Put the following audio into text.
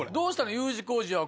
Ｕ字工事は。